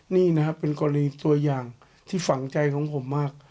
นี่นะครับเป็นกรณีตัวอย่างที่ฝังใจของผมมาก